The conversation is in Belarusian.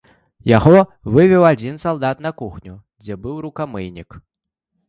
Яго вывеў адзін салдат на кухню, дзе быў рукамыйнік.